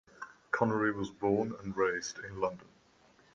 Connery was born and raised in London.